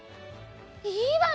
いいわね！